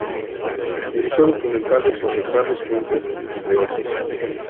Dirigió documentales sobre Carlos Fuentes, entre otros.